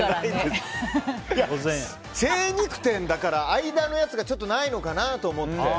精肉店だから間のやつがないのかなと思って。